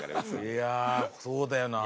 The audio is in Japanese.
いやそうだよな。